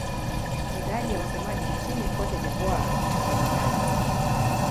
Idadi ya wasemaji nchini Cote d'Ivoire haijulikani.